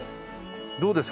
どうですか？